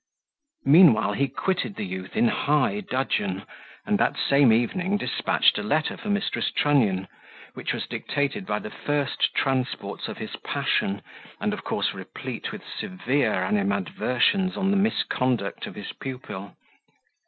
Meanwhile he quitted the youth in high dudgeon, and that same evening despatched a letter for Mrs. Trunnion, which was dictated by the first transports of his passion, and of course replete with severe animadversions on the misconduct of his pupil.